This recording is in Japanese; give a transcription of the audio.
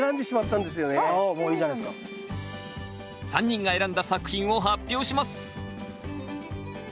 ３人が選んだ作品を発表します。